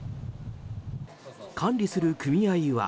管理する組合は。